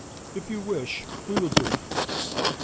If you wish, we will do it for you.